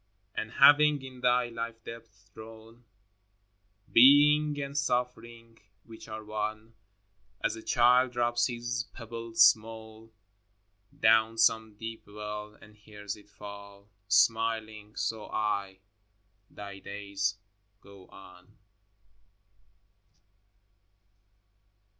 XXIV. And having in Thy life depth thrown Being and suffering (which are one), As a child drops his pebble small Down some deep well, and hears it fall Smiling — so I. Thy days go on.